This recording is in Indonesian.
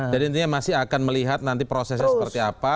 jadi intinya masih akan melihat nanti prosesnya seperti apa